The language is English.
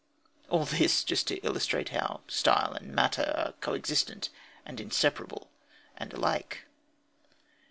All this just to illustrate how style and matter are co existent, and inseparable, and alike.